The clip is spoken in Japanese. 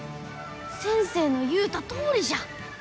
先生の言うたとおりじゃ！